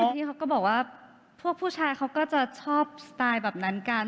พี่เขาก็บอกว่าพวกผู้ชายเขาก็จะชอบสไตล์แบบนั้นกัน